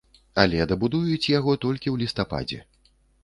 Але дабудуюць яго толькі ў лістападзе.